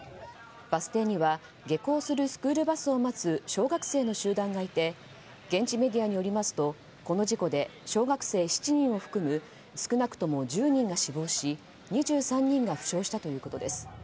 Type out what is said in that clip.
バス停には下校するスクールバスを待つ小学生の集団がいて現地メディアによりますとこの事故で小学生７人を含む少なくとも１０人が死亡し２３人が負傷したということです。